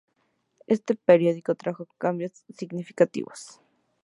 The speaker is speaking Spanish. Este período trajo cambios significativos.